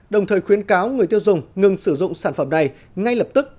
đồng thời khuyến cáo người tiêu dùng ngừng sử dụng sản phẩm này ngay lập tức